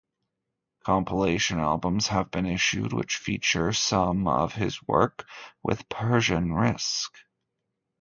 Compilation albums have been issued which feature some of his work with Persian Risk.